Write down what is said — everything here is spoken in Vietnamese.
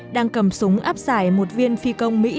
đang cầm súng áp giải một viên phi công mỹ